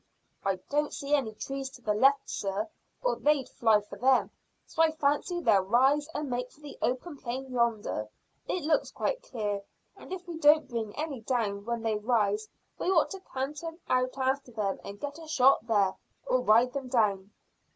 "I don't see any trees to the left, sir, or they'd fly for them; so I fancy they'll rise and make for the open plain yonder. It looks quite clear, and if we don't bring any down when they rise we ought to canter out after them and get a shot there, or ride them down."